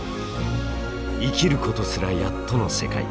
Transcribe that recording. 生きることすらやっとの世界。